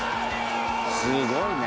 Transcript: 「すごいね」